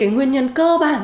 nguyên nhân cơ bản